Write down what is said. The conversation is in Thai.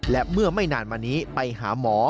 และเมื่อไม่นานมานี้ไปหาหมอ